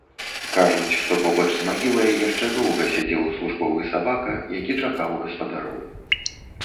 Кажуць, што побач з магілай яшчэ доўга сядзеў службовы сабака, які чакаў гаспадароў.